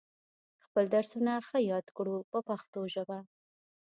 خپل درسونه ښه یاد کړو په پښتو ژبه.